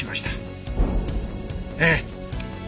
ええ。